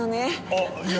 あっいや。